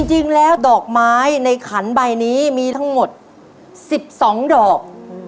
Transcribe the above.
จริงแล้วดอกไม้ในขันใบนี้มีทั้งหมด๑๒ดอก